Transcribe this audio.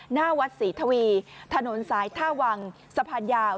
หน้าวัดศรีทวีถนนสายท่าวังสะพานยาว